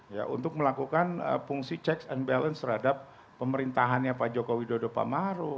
ya untuk melakukan fungsi checks and balance terhadap pemerintahannya pak jokowi dodo pamaru